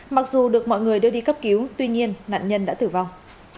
mặc dù được mọi người đưa đi cấp cứu tuy nhiên nạn nhân đã tử vong